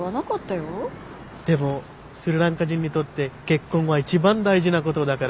でもスリランカ人にとって結婚は一番大事なことだから。